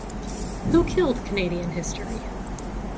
Who Killed Canadian History?